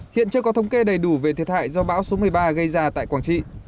hiện chưa có thống kê đầy đủ về thiệt hại do bão số một mươi ba gây ra tại quảng trị